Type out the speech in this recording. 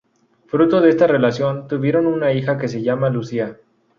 Fruto de esa relación, tuvieron una hija que se llama Lucía.